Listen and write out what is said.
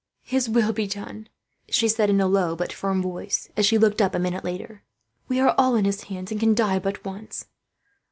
"His will be done," she said, in a low but firm voice, as she looked up a minute later. "We are all in His hands, and can die but once.